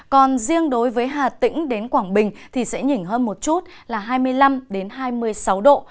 còn riêng đối với hà tĩnh đến quảng bình thì sẽ nhỉnh hơn một chút là hai mươi năm hai mươi sáu độ